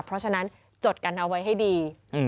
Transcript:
เพราะฉะนั้นจดกันเอาไว้ให้ดี